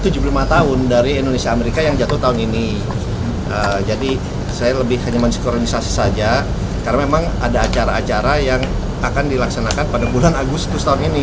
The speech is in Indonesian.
jadi saya lebih hanya mencuri organisasi saja karena memang ada acara acara yang akan dilaksanakan pada bulan agustus tahun ini